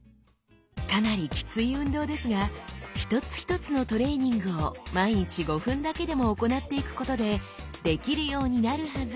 かなりきつい運動ですが一つ一つのトレーニングを毎日５分だけでも行っていくことでできるようになるはず。